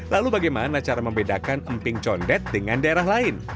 lalu bagaimana cara membedakan emping condet dengan daerah lain